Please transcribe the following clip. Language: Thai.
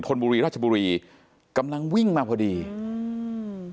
นบุรีราชบุรีกำลังวิ่งมาพอดีอืม